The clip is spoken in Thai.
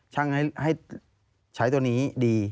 ให้ใช้ตัวนี้ดี